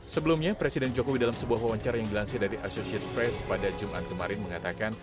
sebelumnya presiden jokowi dalam sebuah wawancara yang dilansir dari associate fresh pada jumat kemarin mengatakan